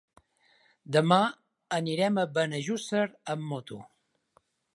Demà anirem a Benejússer amb moto.